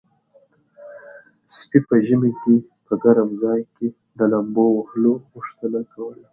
سپي په ژمي کې په ګرم چای کې د لامبو وهلو غوښتنه کوله.